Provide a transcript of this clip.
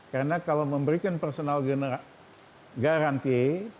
karena kalau memberikan personal garanti